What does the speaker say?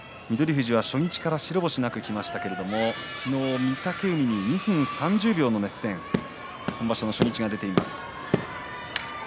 富士は初日から白星なくきましたが昨日、御嶽海に２分３０秒の熱戦今場所の初日が出ています。